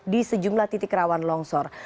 di sejumlah titik rawan longsor